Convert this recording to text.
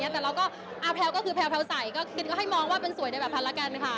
แต่เราก็แพ้วใส่ก็คิดให้มองว่าเป็นสวยในแบบพันละกันค่ะ